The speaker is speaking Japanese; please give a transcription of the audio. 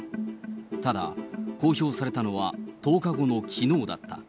ただ、公表されたのは１０日後のきのうだった。